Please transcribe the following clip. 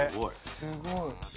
すごい。